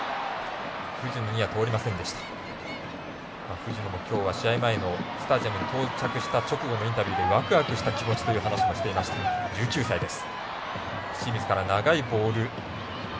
藤野、試合前、スタジアムに到着した前のインタビューでワクワクした気持ちという話もしていました１９歳です。